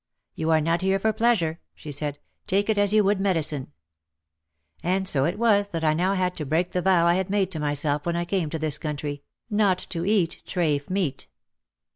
"You are not here for pleasure," she said, "take it as you would medi cine.' ' And so it was that I now had to break the vow I had made to myself when I came to this country, not to eat trafe meat.